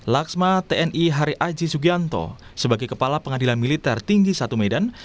laksma tni hari aji sugianto sebagai kepala pengadilan militer tinggi satu medan